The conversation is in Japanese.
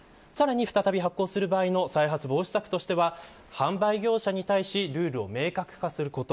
再び発行する場合の再発防止策としては、販売業者に対しルールを明確化すること。